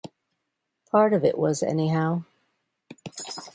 Part of it was anyhow.